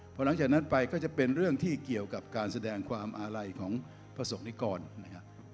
พอหลังจากนั้นไปก็จะเป็นเรื่องที่เกี่ยวกับการแสดงความอาลัยของประสบนิกรนะครับ